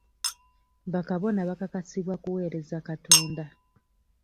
Ba Kabona bakakasibwa kuweereza Katonda.